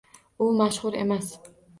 U mashhur emas.